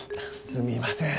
すみません。